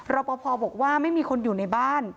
รอปภบอกว่าไม่มีคนอยู่ในบ้าน